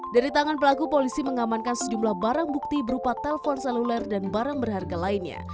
dari tangan pelaku polisi mengamankan sejumlah barang bukti berupa telpon seluler dan barang berharga lainnya